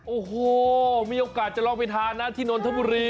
โอ้โหมีโอกาสจะลองไปทานนะที่นนทบุรี